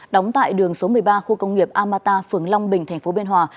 đóng tại đường số một mươi ba khu công nghiệp amata phường long bình tp biên hòa